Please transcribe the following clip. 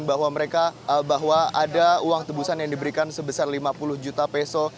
bahwa mereka bahwa ada uang tebusan yang diberikan sebesar lima puluh juta peso